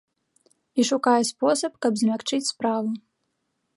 І шукае спосаб, каб змякчыць справу.